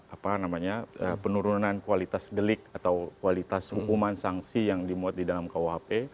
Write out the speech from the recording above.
apa namanya penurunan kualitas gelik atau kualitas hukuman sangsi yang dimuat di dalam rkuhp